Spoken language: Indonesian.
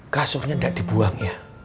kasurnya gak dibuang ya